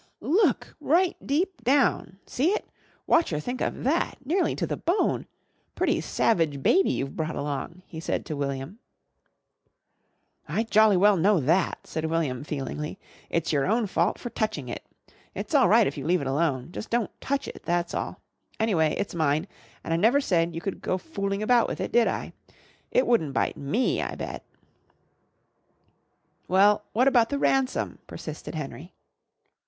"Look! Right deep down! See it? Wotcher think of that! Nearly to the bone! Pretty savage baby you've brought along," he said to William. "I jolly well know that," said William feelingly. "It's your own fault for touching it. It's all right if you leave it alone. Just don't touch it, that's all. Anyway, it's mine, and I never said you could go fooling about with it, did I? It wouldn't bite me, I bet!" "Well, what about the ransom?" persisted Henry.